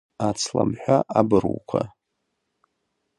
Ацламҳәа абруқәа…